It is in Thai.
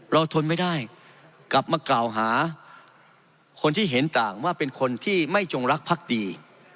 ทนไม่ได้กลับมากล่าวหาคนที่เห็นต่างว่าเป็นคนที่ไม่จงรักพักดี